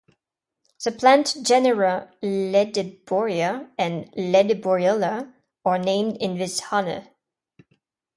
The plant genera "Ledebouria" and "Ledebouriella" are named in his honor.